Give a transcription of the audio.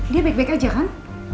dia baik baik aja kan